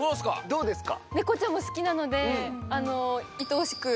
どうですか？